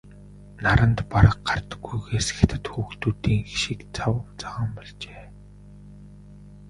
Наранд бараг гардаггүйгээс хятад хүүхнүүдийнх шиг цав цагаан болжээ.